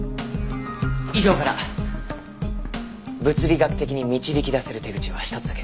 以上から物理学的に導き出せる手口は一つだけ。